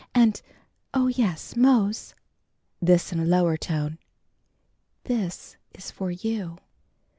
And oh, yes, Mose" (this in a lower tone), "this is for you."